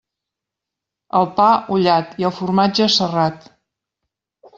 El pa, ullat, i el formatge, serrat.